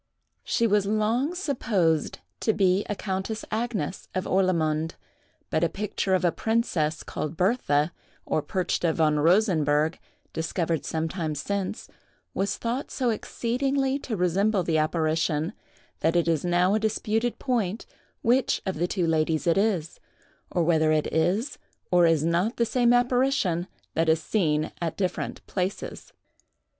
She was long supposed to be a Countess Agnes, of Orlamunde; but a picture of a princess called Bertha, or Perchta von Rosenberg, discovered some time since, was thought so exceedingly to resemble the apparition, that it is now a disputed point which of the two ladies it is, or whether it is or is not the same apparition that is seen at different places.